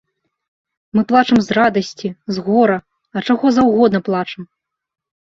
Мы плачам з радасці, з гора, ад чаго заўгодна плачам.